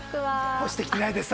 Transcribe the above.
干してきてないです。